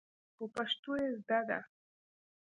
خو پښتو يې زده ده.